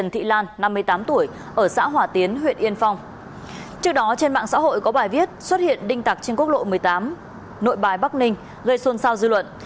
trước đó trên mạng xã hội có bài viết xuất hiện đinh tặc trên quốc lộ một mươi tám nội bài bắc ninh gây xôn xao dư luận